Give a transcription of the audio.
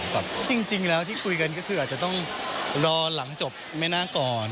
จริงแล้วที่คุยกันก็คืออาจจะต้องรอหลังจบแม่นาคก่อน